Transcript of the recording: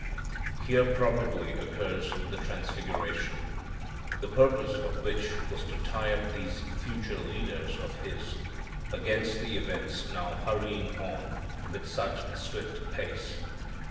Here probably occurs the transfiguration, the purpose of which was to tie up these future leaders of His, against the events now hurrying on with such swift pace.